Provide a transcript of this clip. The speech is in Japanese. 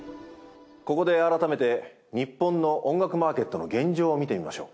ここで改めて日本の音楽マーケットの現状を見てみましょう。